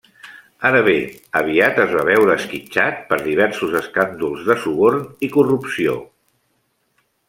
Ara bé, aviat es va veure esquitxat per diversos escàndols de suborn i corrupció.